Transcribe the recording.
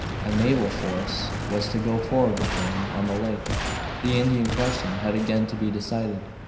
A naval force was to go forward with him on the lake. The Indian question had again to be decided.